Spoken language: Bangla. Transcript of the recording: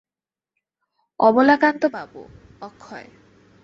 অবলাকান্তবাবু– অক্ষয়।